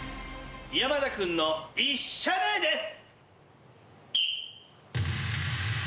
山田君の１射目です。